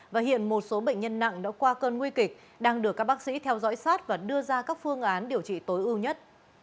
và hiện một số bệnh nhân nặng đã qua cơn nguy kịch đang được các bác sĩ theo dõi sát và đưa ra các phương án điều trị tối ưu nhất